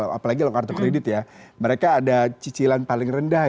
apalagi kalau kartu kredit ya mereka ada cicilan paling rendah